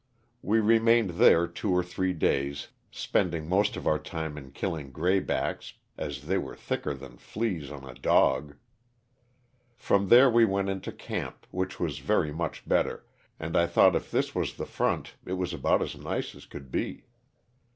We remained there two or three days, LOSS OF THE SULTANA. 153 spending most of our time in killing graybacks as they were thicker than fleas on a dog. From there we went into camp, which was very much better, and I thought if this was the front it was about as nice as could be.